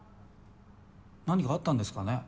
何かあったんですかね。